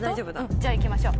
じゃあ行きましょう。